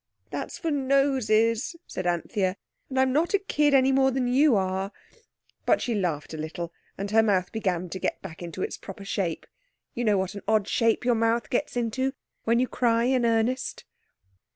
"That's for noses," said Anthea, "and I'm not a kid any more than you are," but she laughed a little, and her mouth began to get back into its proper shape. You know what an odd shape your mouth gets into when you cry in earnest.